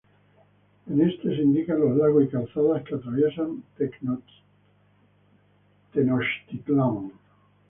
En este se indican los lagos y calzadas que atraviesan Tenochtitlán.